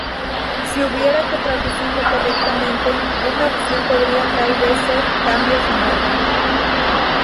Si hubiera que traducirlo correctamente, una opción podría tal vez ser "cambio final".